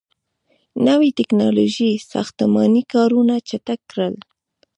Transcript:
• نوي ټیکنالوژۍ ساختماني کارونه چټک کړل.